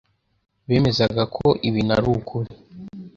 bemezaga ko ibintu ari ukuri